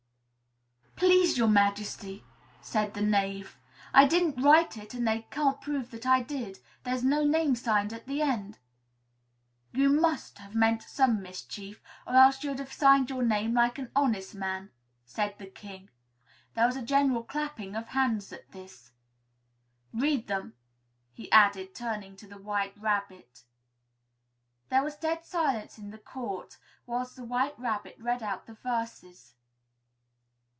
"Please, Your Majesty," said the Knave, "I didn't write it and they can't prove that I did; there's no name signed at the end." "You must have meant some mischief, or else you'd have signed your name like an honest man," said the King. There was a general clapping of hands at this. "Read them," he added, turning to the White Rabbit. There was dead silence in the court whilst the White Rabbit read out the verses.